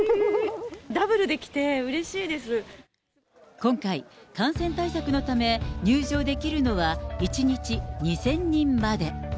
Ｗできて、今回、感染対策のため、入場できるのは１日２０００人まで。